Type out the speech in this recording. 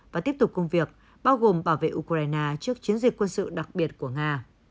và tiếp tục công việc bao gồm bảo vệ ukraine trước chiến dịch quân sự đặc biệt của nga